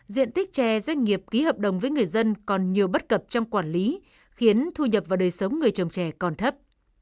diện tích chè doanh nghiệp ký hợp đồng với người dân còn nhiều bất cập trong quản lý khiến thu nhập và đời sống người trồng trè còn thấp